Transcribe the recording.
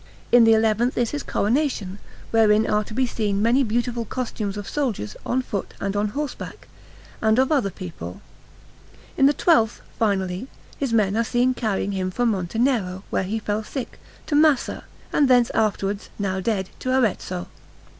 In the eleventh is his coronation, wherein are to be seen many beautiful costumes of soldiers on foot and on horseback, and of other people. In the twelfth, finally, his men are seen carrying him from Montenero, where he fell sick, to Massa, and thence afterwards, now dead, to Arezzo.